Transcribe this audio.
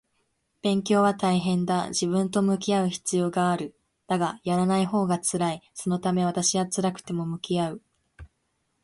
勉強は大変だ。自分と向き合う必要がある。だが、やらないほうが辛い。そのため私は辛くても向き合う